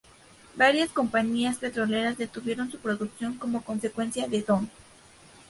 Varias compañías petroleras detuvieron su producción como consecuencia de Don.